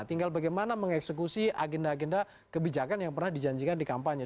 tinggal bagaimana mengeksekusi agenda agenda kebijakan yang pernah dijanjikan di kampanye